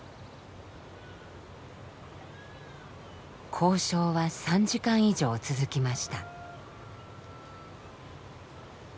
交渉は３時間以上続きました。